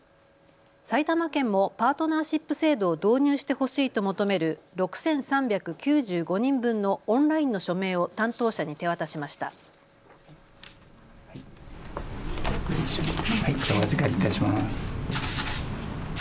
埼玉県もパートナーシップ制度を導入してほしいと求める６３９５人分のオンラインの署名を担当者に手渡しました。